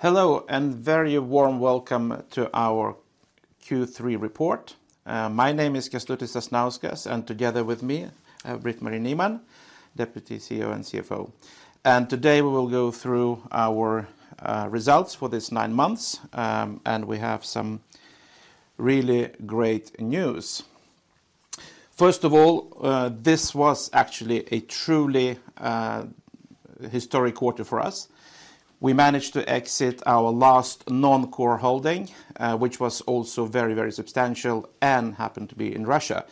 Hello, and very warm Welcome to our Q3 report. My name is Kestutis Sasnauskas, and together with me, I have Britt-Marie Nyman, Deputy CEO and CFO. And today we will go through our results for this nine months, and we have some really great news. First of all, this was actually a truly historic quarter for us. We managed to exit our last non-core holding, which was also very, very substantial and happened to be in Russia.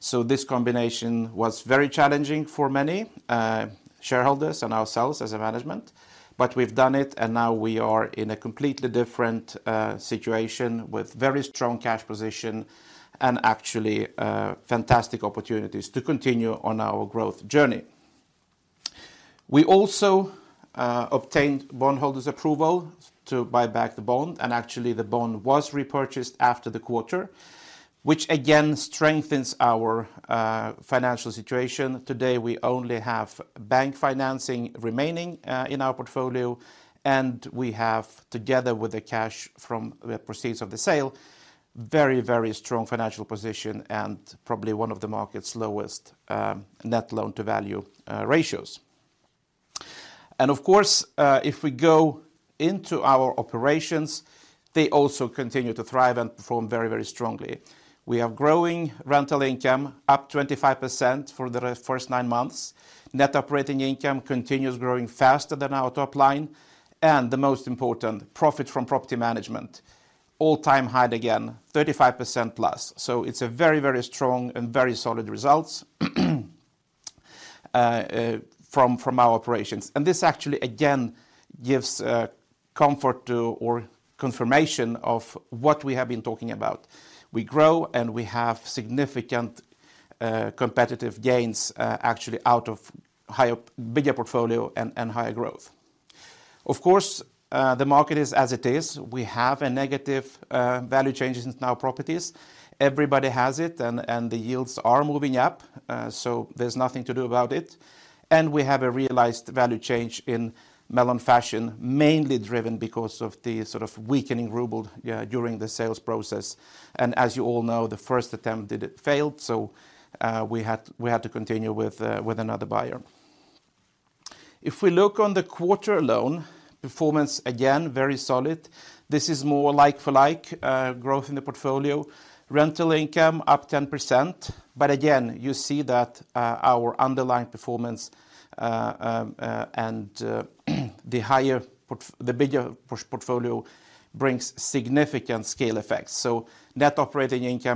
So this combination was very challenging for many shareholders and ourselves as a management, but we've done it, and now we are in a completely different situation with very strong cash position and actually fantastic opportunities to continue on our growth journey. We also obtained bondholders' approval to buy back the bond, and actually, the bond was repurchased after the quarter, which again strengthens our financial situation. Today, we only have bank financing remaining in our portfolio, and we have, together with the cash from the proceeds of the sale, very, very strong financial position and probably one of the market's lowest LTV. And of course, if we go into our operations, they also continue to thrive and perform very, very strongly. We have growing rental income, up 25% for the first nine months. NOI continues growing faster than our top line, and the most important, profit from property management, all-time high again, 35%+. So it's a very, very strong and very solid results from our operations. This actually, again, gives comfort to or confirmation of what we have been talking about. We grow, and we have significant competitive gains actually out of higher, bigger portfolio and higher growth. Of course, the market is as it is. We have a negative value changes in our properties. Everybody has it, and the yields are moving up, so there's nothing to do about it. And we have a realized value change in Melon Fashion, mainly driven because of the sort of weakening ruble during the sales process, and as you all know, the first attempt, it failed, so we had to continue with another buyer. If we look on the quarter alone, performance, again, very solid. This is more like for like growth in the portfolio. Rental income up 10%, but again, you see that, our underlying performance, and the bigger portfolio brings significant scale effects. So NOI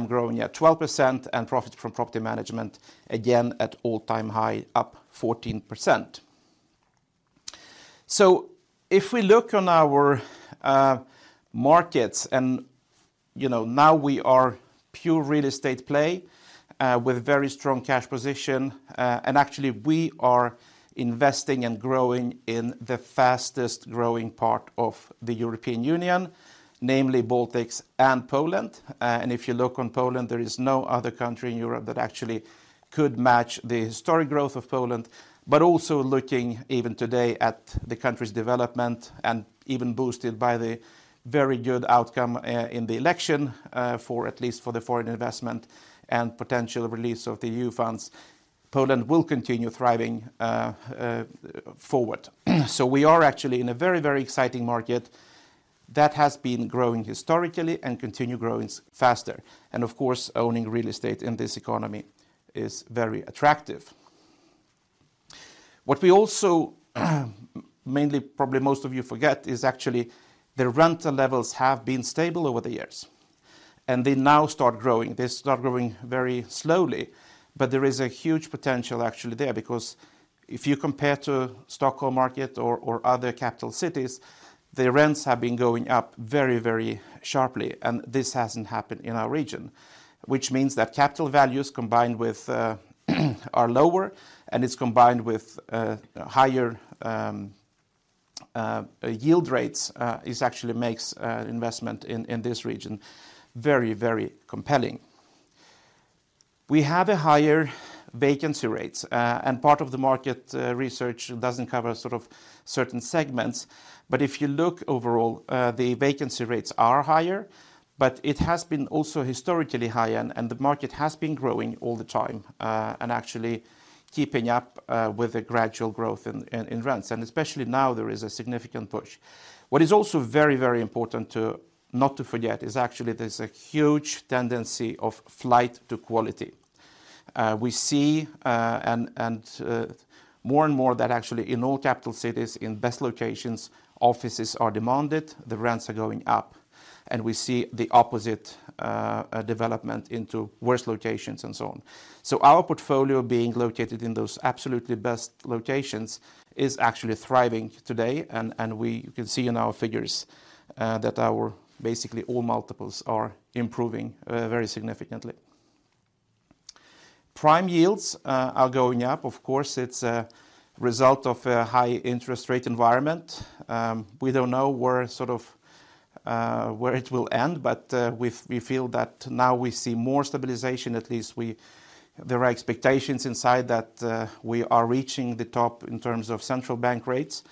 growing at 12% and profit from property management, again, at all-time high, up 14%. So if we look on our markets, and, you know, now we are pure real estate play, with very strong cash position, and actually, we are investing and growing in the fastest-growing part of the European Union, namely Baltics and Poland. And if you look on Poland, there is no other country in Europe that actually could match the historic growth of Poland, but also looking even today at the country's development and even boosted by the very good outcome in the election for at least for the foreign investment and potential release of the EU funds, Poland will continue thriving forward. So we are actually in a very, very exciting market that has been growing historically and continue growing faster. And of course, owning real estate in this economy is very attractive. What we also, mainly, probably most of you forget, is actually the rental levels have been stable over the years, and they now start growing. They start growing very slowly, but there is a huge potential actually there, because if you compare to Stockholm market or other capital cities, the rents have been going up very, very sharply, and this hasn't happened in our region, which means that capital values, combined with, are lower, and it's combined with higher yield rates, is actually makes investment in this region very, very compelling. We have a higher vacancy rates, and part of the market research doesn't cover sort of certain segments, but if you look overall, the vacancy rates are higher, but it has been also historically high, and the market has been growing all the time, and actually keeping up with the gradual growth in rents, and especially now, there is a significant push. What is also very, very important to not to forget, is actually there's a huge tendency of flight to quality. We see, and, and, more and more that actually in all capital cities, in best locations, offices are demanded, the rents are going up, and we see the opposite, development into worse locations and so on. So our portfolio being located in those absolutely best locations is actually thriving today, and, and we can see in our figures, that our basically all multiples are improving, very significantly. Prime yields, are going up. Of course, it's a result of a high interest rate environment. We don't know where sort of- where it will end, but, we, we feel that now we see more stabilization. At least there are expectations inside that we are reaching the top in terms of central bank rates.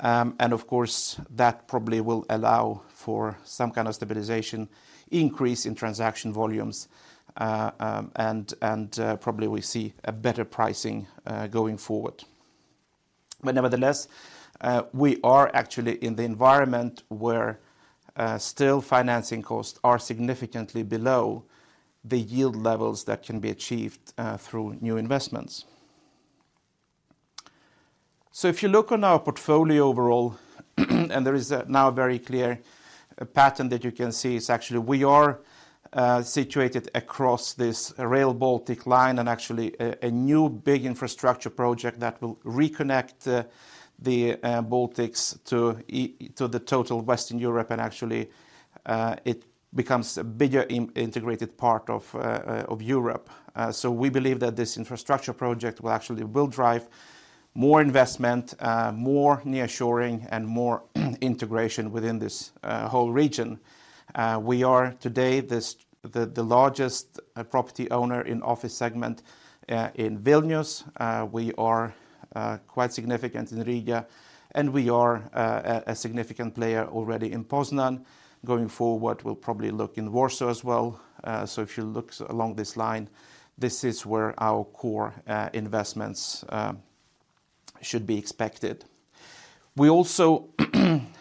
And of course, that probably will allow for some kind of stabilization, increase in transaction volumes, and probably we see a better pricing going forward. But nevertheless, we are actually in the environment where still financing costs are significantly below the yield levels that can be achieved through new investments. So if you look on our portfolio overall, and there is now a very clear pattern that you can see, is actually we are situated across this Rail Baltica line and actually a new big infrastructure project that will reconnect the Baltics to the total Western Europe, and actually it becomes a bigger integrated part of Europe. So we believe that this infrastructure project will actually, will drive more investment, more nearshoring, and more integration within this whole region. We are today the largest property owner in office segment in Vilnius. We are quite significant in Riga, and we are a significant player already in Poznań. Going forward, we'll probably look in Warsaw as well. So if you look along this line, this is where our core investments should be expected. We also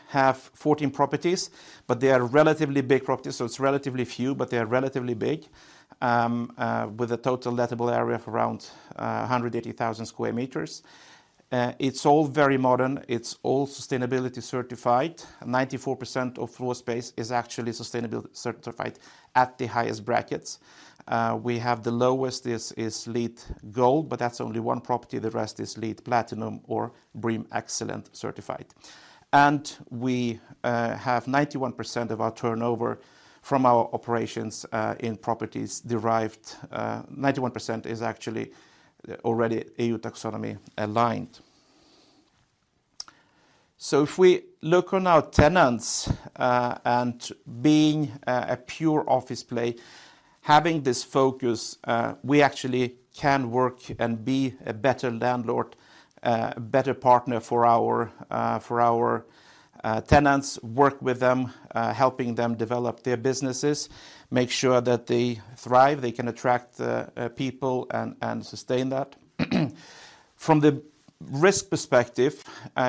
have 14 properties, but they are relatively big properties, so it's relatively few, but they are relatively big. With a total lettable area of around 180,000 square meters. It's all very modern. It's all sustainability certified. 94% of floor space is actually sustainability certified at the highest brackets. We have the lowest is LEED Gold, but that's only one property. The rest is LEED Platinum or BREEAM Excellent certified. We have 91% of our turnover from our operations in properties derived. 91% is actually already EU taxonomy aligned. So if we look on our tenants and being a pure office play, having this focus, we actually can work and be a better landlord, a better partner for our tenants, work with them helping them develop their businesses, make sure that they thrive, they can attract people, and sustain that. From the risk perspective,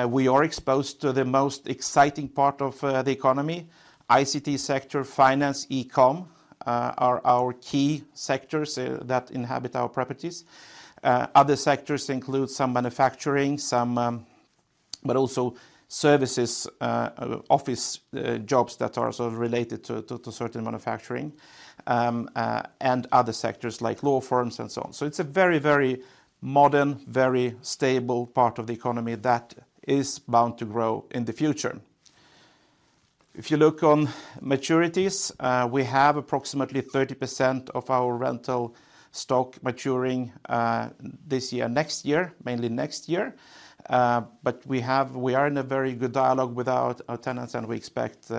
we are exposed to the most exciting part of the economy. ICT sector, finance, e-commerce are our key sectors that inhabit our properties. Other sectors include some manufacturing, some. but also services, office, jobs that are also related to, to, to certain manufacturing, and other sectors like law firms and so on. So it's a very, very modern, very stable part of the economy that is bound to grow in the future. If you look on maturities, we have approximately 30% of our rental stock maturing, this year, next year, mainly next year. But we are in a very good dialogue with our, our tenants, and we expect,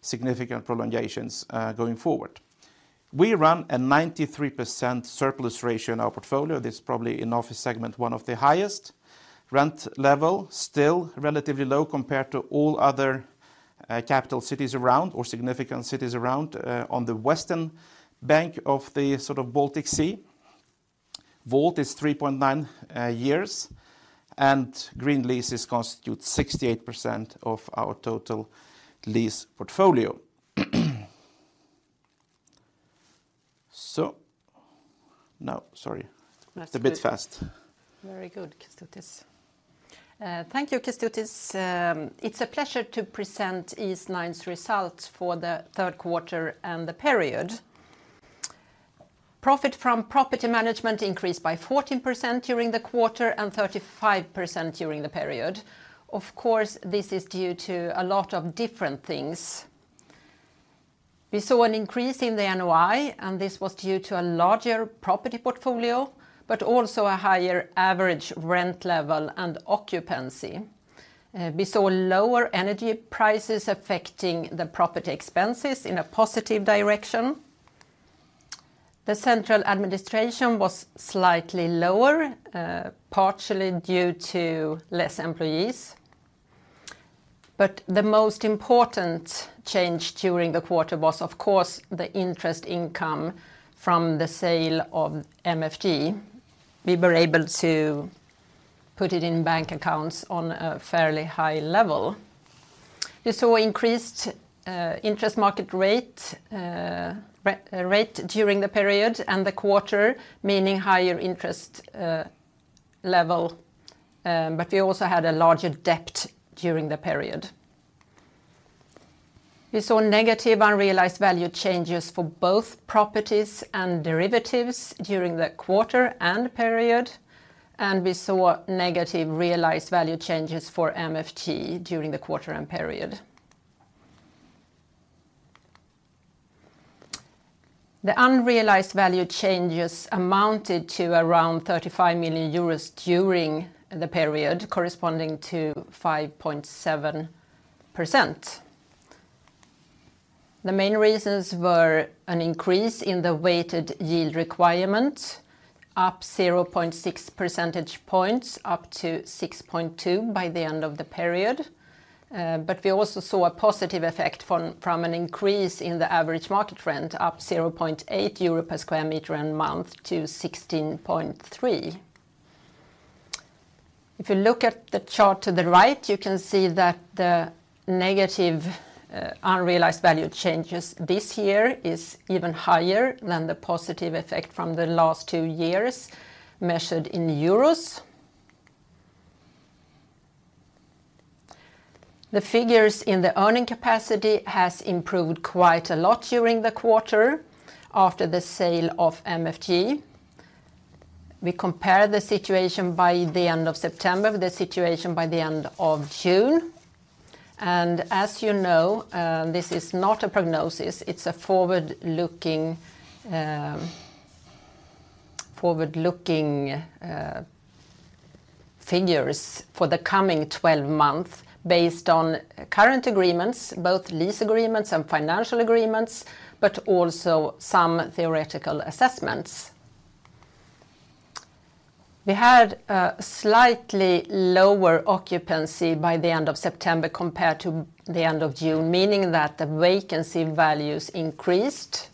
significant prolongations, going forward. We run a 93% surplus ratio in our portfolio. This is probably in office segment, one of the highest. Rent level, still relatively low compared to all other, capital cities around or significant cities around, on the western bank of the sort of Baltic Sea. WALT is 3.9 years, and green leases constitute 68% of our total lease portfolio. So... No, sorry. That's good. A bit fast. Very good, Kęstutis. Thank you, Kęstutis. It's a pleasure to present Eastnine results for the third quarter and the period. Profit from property management increased by 14% during the quarter and 35% during the period. Of course, this is due to a lot of different things. We saw an increase in the NOI, and this was due to a larger property portfolio, but also a higher average rent level and occupancy. We saw lower energy prices affecting the property expenses in a positive direction. The central administration was slightly lower, partially due to less employees. But the most important change during the quarter was, of course, the interest income from the sale of MFG. We were able to put it in bank accounts on a fairly high level. We saw increased interest rate during the period and the quarter, meaning higher interest level, but we also had a larger debt during the period. We saw negative unrealized value changes for both properties and derivatives during the quarter and period, and we saw negative realized value changes for MFT during the quarter and period. The unrealized value changes amounted to around 35 million euros during the period, corresponding to 5.7%. The main reasons were an increase in the weighted yield requirement, up %0.6 points, up to 6.2 by the end of the period. But we also saw a positive effect from an increase in the average market trend, up 0.8 euro per square meter and month to 16.3. If you look at the chart to the right, you can see that the negative unrealized value changes this year is even higher than the positive effect from the last 2 years, measured in euros. The figures in the earning capacity has improved quite a lot during the quarter after the sale of MFG. We compare the situation by the end of September, the situation by the end of June, and as you know, this is not a prognosis, it's a forward-looking figures for the coming 12 months, based on current agreements, both lease agreements and financial agreements, but also some theoretical assessments. We had a slightly lower occupancy by the end of September compared to the end of June, meaning that the vacancy values increased.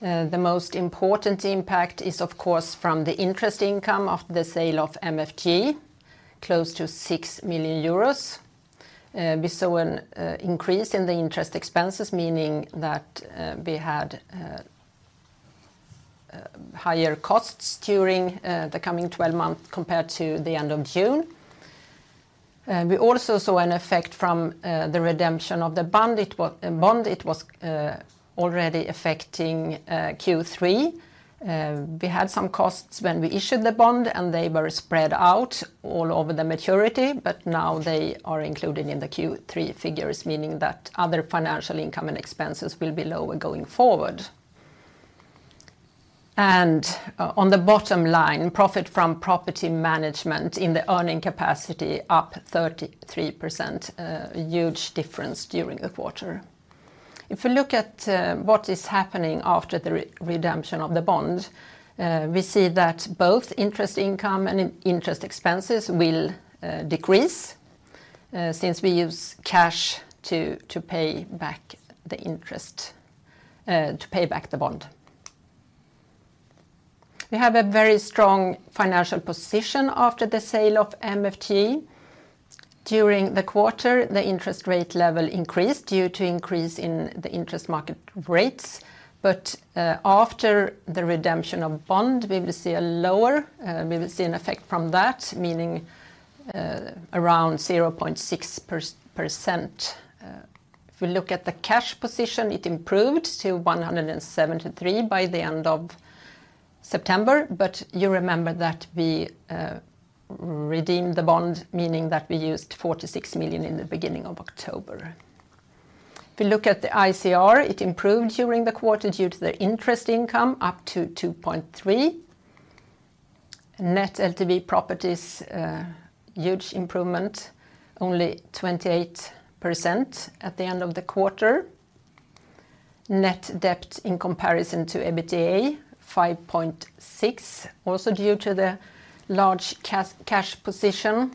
The most important impact is, of course, from the interest income of the sale of Melon Fashion Group, close to 6 million euros. We saw an increase in the interest expenses, meaning that we had higher costs during the coming 12 months compared to the end of June. We also saw an effect from the redemption of the bond. It was already affecting Q3. We had some costs when we issued the bond, and they were spread out all over the maturity, but now they are included in the Q3 figures, meaning that other financial income and expenses will be lower going forward. And on the bottom line, profit from property management in the earning capacity, up 33%, a huge difference during the quarter. If you look at what is happening after the redemption of the bond, we see that both interest income and interest expenses will decrease, since we use cash to pay back the interest to pay back the bond. We have a very strong financial position after the sale of MFT. During the quarter, the interest rate level increased due to increase in the interest market rates, but after the redemption of bond, we will see a lower we will see an effect from that, meaning around 0.6%. If we look at the cash position, it improved to 173 million by the end of September, but you remember that we redeemed the bond, meaning that we used 46 million in the beginning of October. If you look at the ICR, it improved during the quarter due to the interest income, up to 2.3x. Net LTV properties, huge improvement, only 28% at the end of the quarter. Net debt in comparison to EBITDA, 5.6x, also due to the large cash position,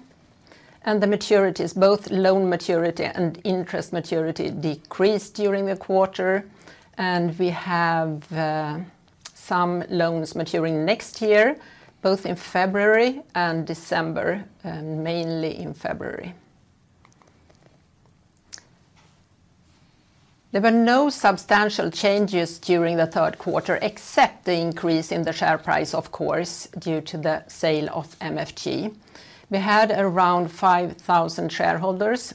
and the maturities, both loan maturity and interest maturity, decreased during the quarter, and we have some loans maturing next year, both in February and December, mainly in February. There were no substantial changes during the third quarter, except the increase in the share price, of course, due to the sale of MFG. We had around 5,000 shareholders,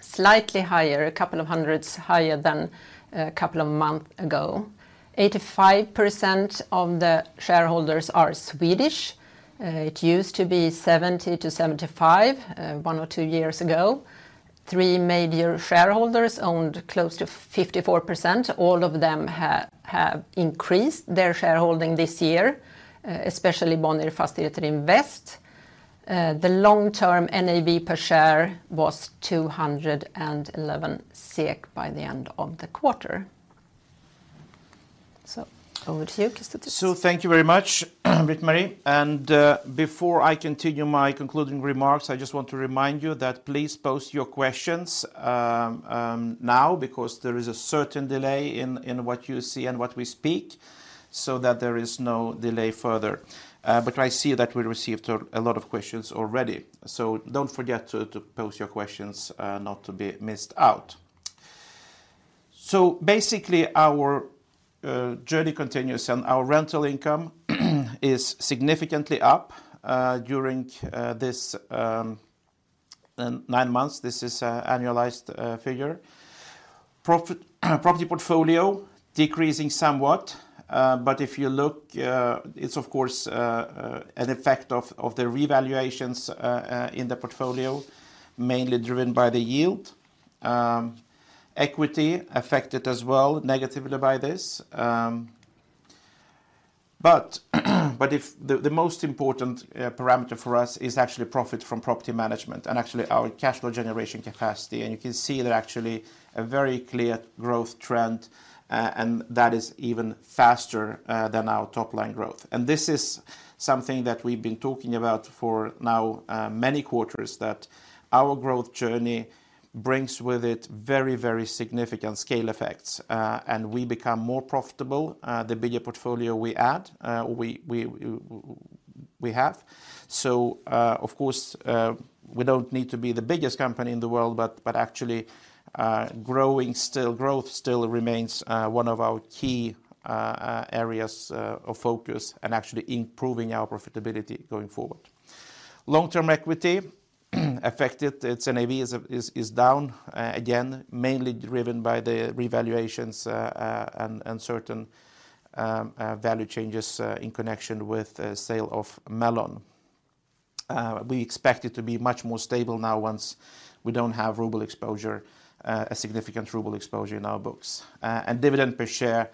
slightly higher, a couple of hundreds higher than a couple of months ago. 85% of the shareholders are Swedish. It used to be 70% to 75% one or two years ago. Three major shareholders owned close to 54%. All of them have increased their shareholding this year, especially Bonnier Fastigheter. The long-term NAV per share was 211 SEK by the end of the quarter. So over to you, Kestutis So thank you very much, Britt-Marie. And before I continue my concluding remarks, I just want to remind you that please pose your questions now, because there is a certain delay in what you see and what we speak, so that there is no delay further. But I see that we received a lot of questions already, so don't forget to pose your questions, not to be missed out. So basically, our journey continues, and our rental income is significantly up during this 9 months. This is an annualized figure. Property portfolio, decreasing somewhat, but if you look, it's of course an effect of the revaluations in the portfolio, mainly driven by the yield. Equity affected as well, negatively by this... But if the most important parameter for us is actually profit from property management, and actually our cash flow generation capacity. And you can see that actually a very clear growth trend, and that is even faster than our top line growth. And this is something that we've been talking about for now many quarters, that our growth journey brings with it very, very significant scale effects. And we become more profitable the bigger portfolio we add we have. So of course we don't need to be the biggest company in the world, but actually growth still remains one of our key areas of focus, and actually improving our profitability going forward. Long-term equity affected its NAV is down, again, mainly driven by the revaluations, and certain value changes in connection with the sale of Melon. We expect it to be much more stable now once we don't have ruble exposure, a significant ruble exposure in our books. And dividend per share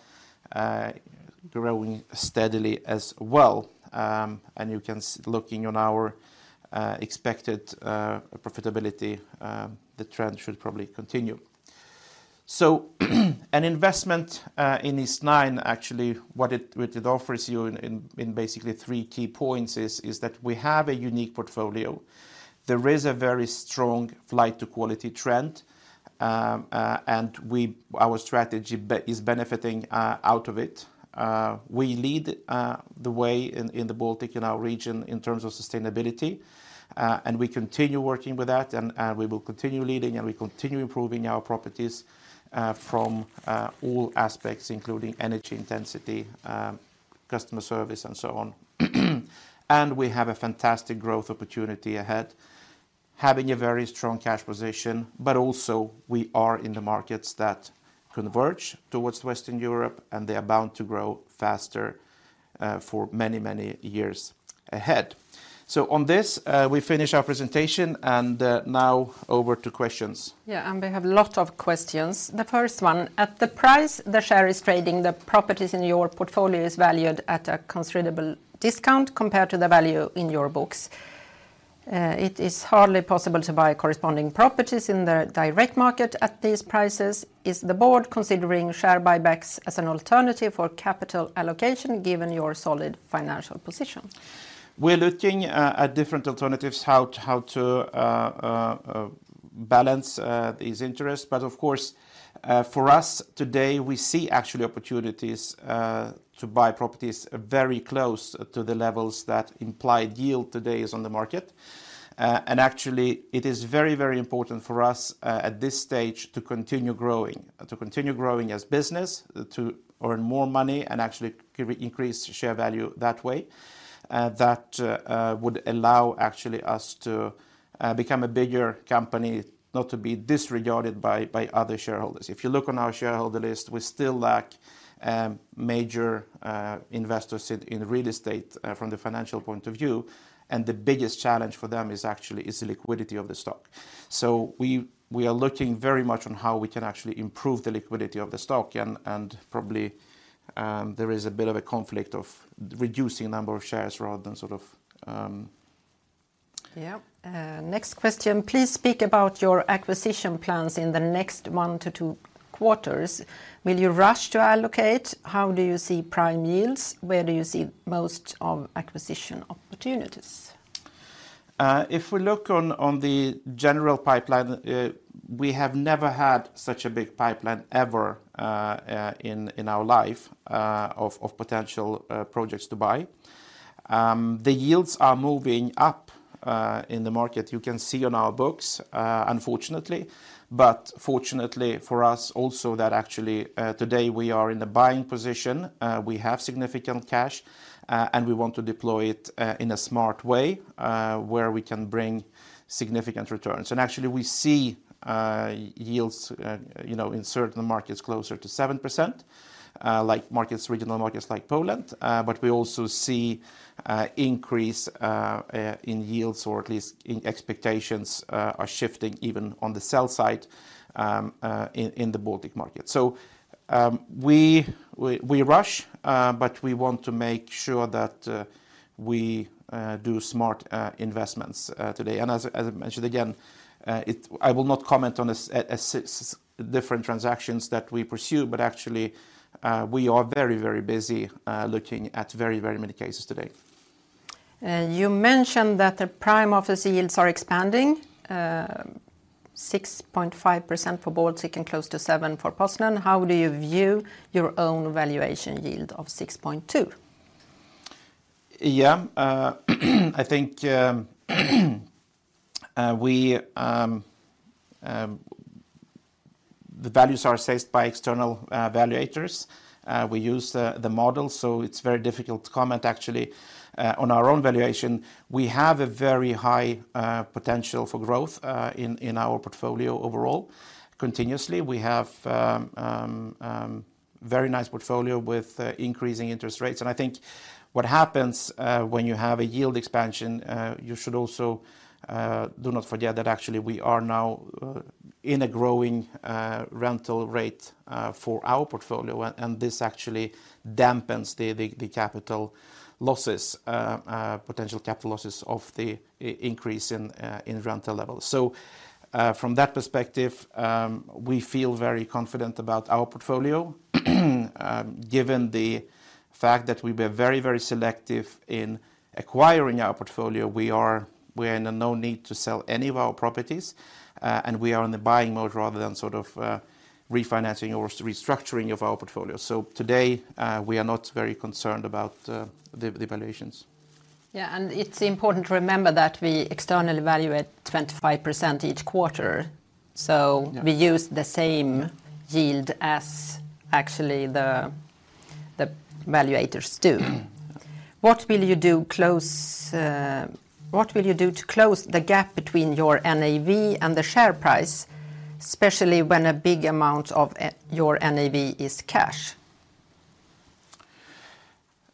growing steadily as well. And you can see looking on our expected profitability, the trend should probably continue. So an investment in Eastnine, actually, what it offers you in basically three key points is that we have a unique portfolio. There is a very strong flight to quality trend, and our strategy is benefiting out of it. We lead the way in the Baltics, in our region, in terms of sustainability, and we continue working with that, and we will continue leading, and we continue improving our properties from all aspects, including energy intensity, customer service, and so on. We have a fantastic growth opportunity ahead, having a very strong cash position, but also we are in the markets that converge towards Western Europe, and they are bound to grow faster for many, many years ahead. So on this, we finish our presentation, and now over to questions. Yeah, and we have a lot of questions. The first one, at the price the share is trading, the properties in your portfolio is valued at a considerable discount compared to the value in your books. It is hardly possible to buy corresponding properties in the direct market at these prices. Is the board considering share buybacks as an alternative for capital allocation, given your solid financial position? We're looking at different alternatives, how to balance these interests. But of course, for us today, we see actually opportunities to buy properties very close to the levels that implied yield today is on the market. And actually, it is very, very important for us at this stage, to continue growing, to continue growing as business, to earn more money, and actually increase share value that way. That would allow actually us to become a bigger company, not to be disregarded by other shareholders. If you look on our shareholder list, we still lack major investors in real estate from the financial point of view, and the biggest challenge for them is actually the liquidity of the stock. So we are looking very much on how we can actually improve the liquidity of the stock, and probably there is a bit of a conflict of reducing the number of shares rather than sort of... Yeah. Next question: Please speak about your acquisition plans in the next 1 to two quarters. Will you rush to allocate? How do you see prime yields? Where do you see most of acquisition opportunities? If we look on the general pipeline, we have never had such a big pipeline ever in our life of potential projects to buy. The yields are moving up in the market. You can see on our books, unfortunately. But fortunately for us also, that actually today we are in the buying position. We have significant cash, and we want to deploy it in a smart way where we can bring significant returns. And actually, we see yields, you know, in certain markets closer to 7%, like regional markets like Poland. But we also see increase in yields, or at least in expectations are shifting even on the sell side in the Baltic market. So, we rush, but we want to make sure that we do smart investments today. And as I mentioned, again, I will not comment on the different transactions that we pursue, but actually, we are very, very busy looking at very, very many cases today. You mentioned that the prime office yields are expanding, 6.5% for Baltic and close to 7% for Poznań. How do you view your own valuation yield of 6.2%? Yeah. I think, we, the values are assessed by external, valuators. We use the, the model, so it's very difficult to comment actually, on our own valuation. We have a very high, potential for growth, in, in our portfolio overall. Continuously, we have, very nice portfolio with, increasing interest rates. And I think what happens, when you have a yield expansion, you should also, do not forget that actually we are now, in a growing, rental rate, for our portfolio, and, and this actually dampens the, the, the capital losses, potential capital losses of the increase in, in rental levels. So, from that perspective, we feel very confident about our portfolio. Given the fact that we've been very, very selective in acquiring our portfolio, we are in no need to sell any of our properties, and we are in the buying mode rather than sort of refinancing or restructuring of our portfolio. So today, we are not very concerned about the valuations. Yeah, and it's important to remember that we externally value at 25% each quarter. So- Yeah... we use the same yield as actually the valuators do. What will you do to close the gap between your NAV and the share price, especially when a big amount of your NAV is cash?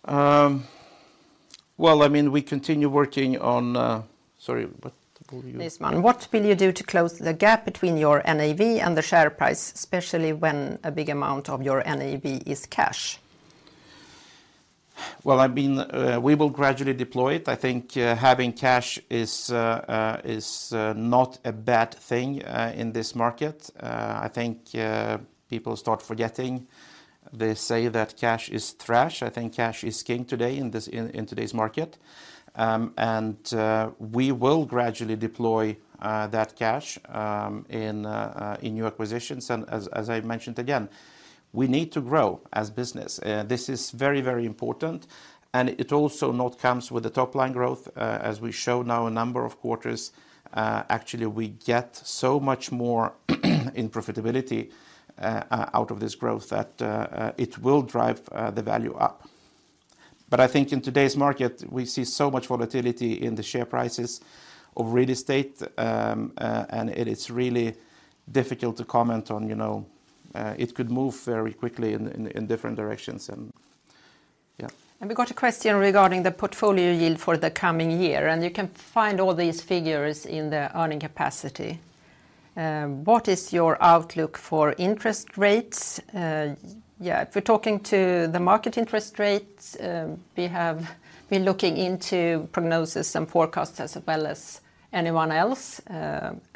Well, I mean, we continue working on... Sorry, what were you- This one. What will you do to close the gap between your NAV and the share price, especially when a big amount of your NAV is cash? Well, I mean, we will gradually deploy it. I think, having cash is not a bad thing in this market. I think, people start forgetting. They say that cash is trash. I think cash is king today in today's market. And, we will gradually deploy that cash in new acquisitions. And as I mentioned again, we need to grow as business. This is very, very important, and it also not comes with the top line growth, as we show now a number of quarters, actually, we get so much more in profitability out of this growth that it will drive the value up. But I think in today's market, we see so much volatility in the share prices of real estate, and it is really difficult to comment on, you know. It could move very quickly in different directions, and yeah. We got a question regarding the portfolio yield for the coming year, and you can find all these figures in the earning capacity. What is your outlook for interest rates? Yeah, if we're talking to the market interest rates, we have been looking into prognosis and forecasts as well as anyone else,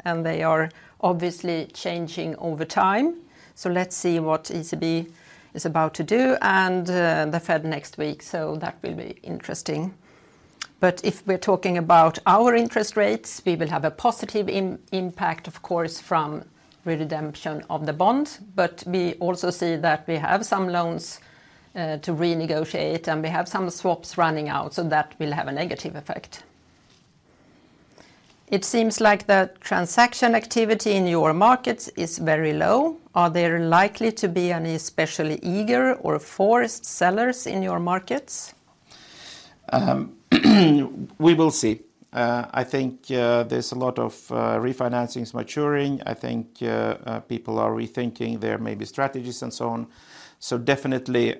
and they are obviously changing over time. So let's see what ECB is about to do and the Fed next week, so that will be interesting. But if we're talking about our interest rates, we will have a positive impact, of course, from redemption of the bond. But we also see that we have some loans to renegotiate, and we have some swaps running out, so that will have a negative effect. It seems like the transaction activity in your markets is very low. Are there likely to be any especially eager or forced sellers in your markets? We will see. I think there's a lot of refinancings maturing. I think people are rethinking their maybe strategies and so on. So definitely,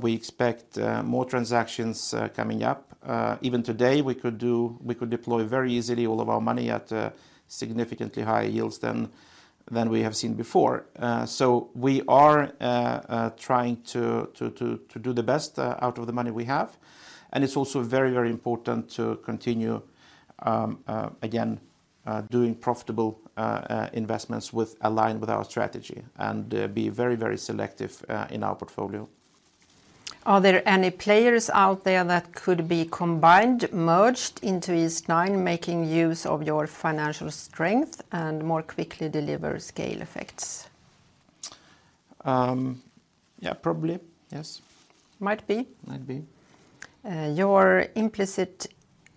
we expect more transactions coming up. Even today, we could deploy very easily all of our money at significantly higher yields than we have seen before. So we are trying to do the best out of the money we have, and it's also very, very important to continue again doing profitable investments aligned with our strategy and be very, very selective in our portfolio. Are there any players out there that could be combined, merged into Eastnine, making use of your financial strength and more quickly deliver scale effects? Yeah, probably. Yes. Might be? Might be. Your implicit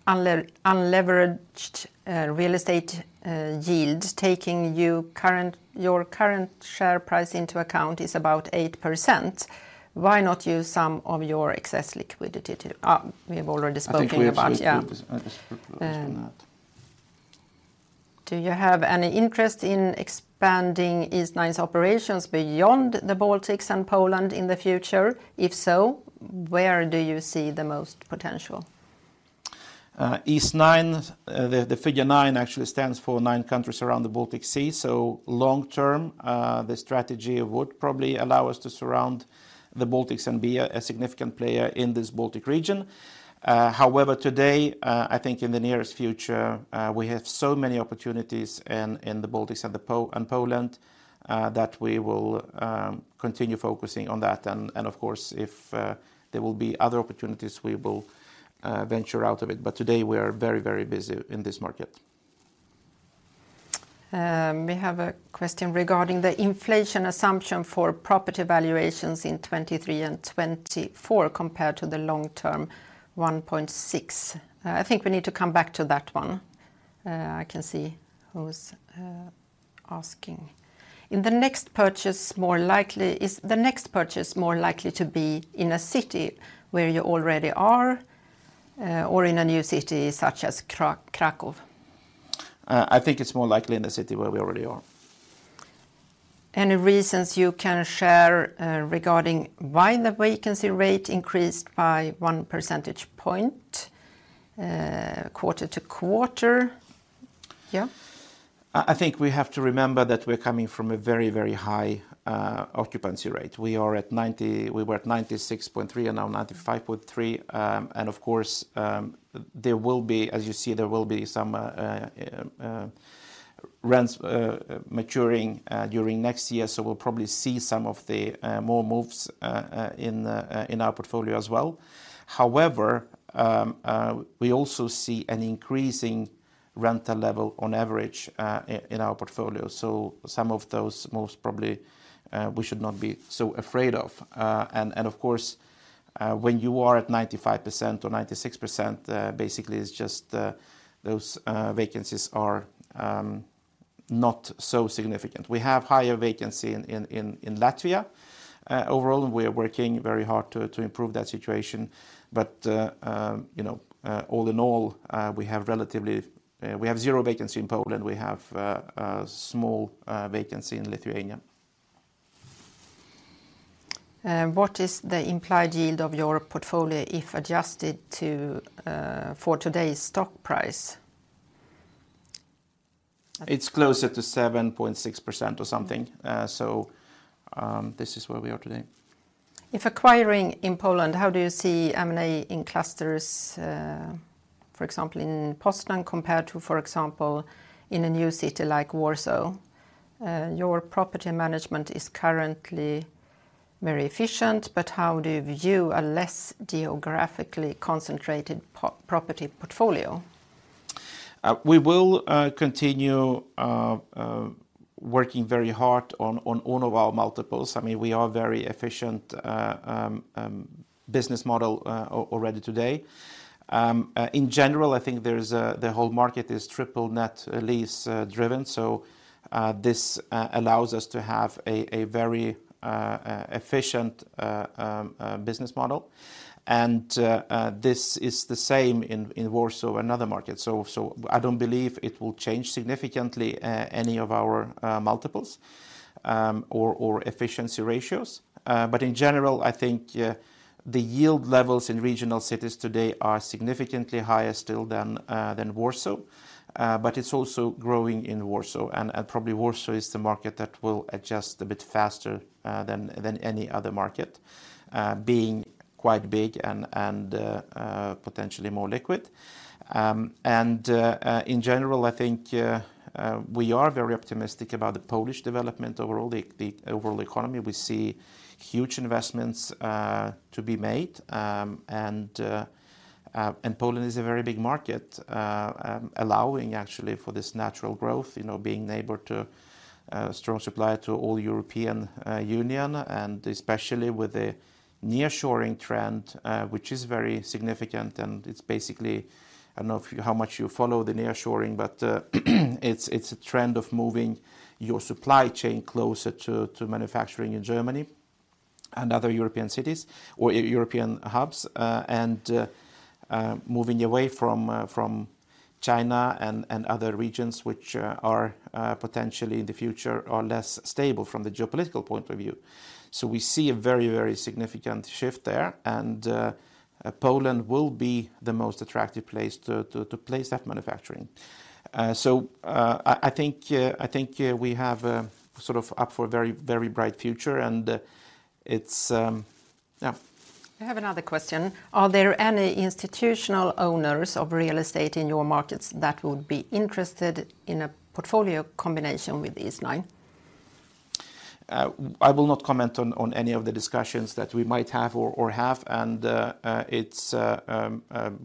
unleveraged real estate yield, taking your current share price into account, is about 8%. Why not use some of your excess liquidity to... We have already spoken about, yeah. I think we've spoken about that. Do you have any interest in expanding Eastnine's operations beyond the Baltics and Poland in the future? If so, where do you see the most potential? East 9, the figure 9 actually stands for nine countries around the Baltic Sea. So long term, the strategy would probably allow us to surround the Baltics and be a significant player in this Baltic region. However, today, I think in the nearest future, we have so many opportunities in the Baltics and Poland that we will continue focusing on that. And of course, if there will be other opportunities, we will venture out of it. But today we are very, very busy in this market. We have a question regarding the inflation assumption for property valuations in 2023 and 2024 compared to the long-term 1.6%. I think we need to come back to that one. I can see who's asking. In the next purchase, more likely— Is the next purchase more likely to be in a city where you already are, or in a new city such as Kraków? I think it's more likely in the city where we already are.... any reasons you can share, regarding why the vacancy rate increased by %0.1 point, quarter-over-quarter? Yeah. I think we have to remember that we're coming from a very, very high occupancy rate. We were at 96.3 and now 95.3. And of course, there will be, as you see, there will be some rents maturing during next year, so we'll probably see some of the more moves in our portfolio as well. However, we also see an increasing rental level on average in our portfolio, so some of those moves probably we should not be so afraid of. And of course, when you are at 95% or 96%, basically it's just those vacancies are not so significant. We have higher vacancy in Latvia. Overall, we are working very hard to improve that situation, but you know, all in all, we have relatively zero vacancy in Poland. We have a small vacancy in Lithuania. What is the implied yield of your portfolio if adjusted to, for today's stock price? It's closer to 7.6% or something. So, this is where we are today. If acquiring in Poland, how do you see M&A in clusters, for example, in Poznań compared to, for example, in a new city like Warsaw? Your property management is currently very efficient, but how do you view a less geographically concentrated property portfolio? We will continue working very hard on all of our multiples. I mean, we are very efficient business model already today. In general, I think there's the whole market is triple ne t lease driven, so this allows us to have a very efficient business model. This is the same in Warsaw and other markets. I don't believe it will change significantly any of our multiples or efficiency ratios. But in general, I think the yield levels in regional cities today are significantly higher still than Warsaw. But it's also growing in Warsaw, and probably Warsaw is the market that will adjust a bit faster than any other market, being quite big and potentially more liquid. In general, I think we are very optimistic about the Polish development overall, the overall economy. We see huge investments to be made. And Poland is a very big market, allowing actually for this natural growth, you know, being neighbor to strong supplier to all European Union, and especially with the nearshoring trend, which is very significant, and it's basically... I don't know how much you follow the nearshoring, but it's a trend of moving your supply chain closer to manufacturing in Germany and other European cities or European hubs, and moving away from China and other regions which are potentially in the future less stable from the geopolitical point of view. So we see a very, very significant shift there, and Poland will be the most attractive place to place that manufacturing. So I think we have sort of up for a very, very bright future, and it's... Yeah. I have another question. Are there any institutional owners of real estate in your markets that would be interested in a portfolio combination with Eastnine? I will not comment on any of the discussions that we might have or have. But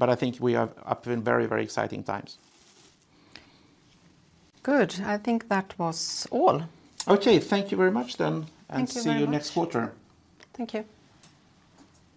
I think we are up in very, very exciting times. Good. I think that was all. Okay, thank you very much then. Thank you very much. See you next quarter. Thank you.